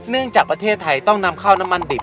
จากประเทศไทยต้องนำเข้าน้ำมันดิบ